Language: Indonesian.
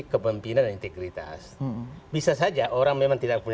kemampinan dan integritas